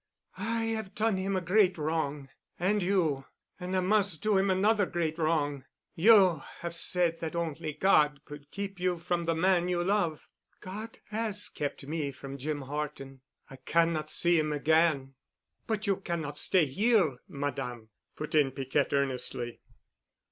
"I have done him a great wrong—and you. And I must do him another great wrong. You have said that only God could keep you from the man you love. God has kept me from Jim Horton. I cannot see him again." "But you cannot stay here, Madame," put in Piquette earnestly.